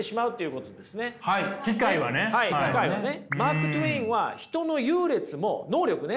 マーク・トウェインは人の優劣も能力ね